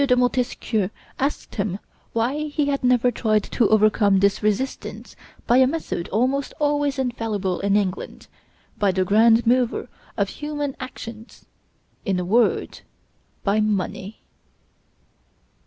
de Montesquieu asked him why he had never tried to overcome this resistance by a method almost always infallible in England, by the grand mover of human actions in a word, by money.